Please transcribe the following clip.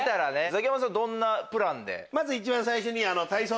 ザキヤマさんはどんなプランで？